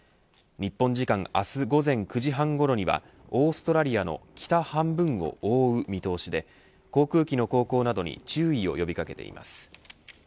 日本時間明日午前９時半ごろにはオーストラリアの北半分を覆う見通しで航空機の航行などに注意を呼び掛けています。